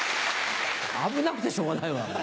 危なくてしょうがないわ。